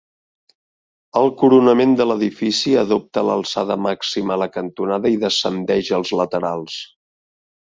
El coronament de l'edifici adopta l'alçada màxima a la cantonada i descendeix als laterals.